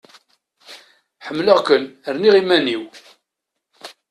Ḥemleɣ-ken, rniɣ iman-iw!